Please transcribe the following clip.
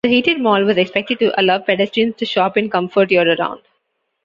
The heated mall was expected to allow pedestrians to shop in comfort year-round.